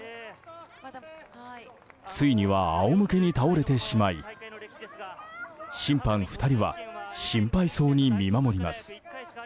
ついには仰向けに倒れてしまい審判２人は心配そうに見守ります。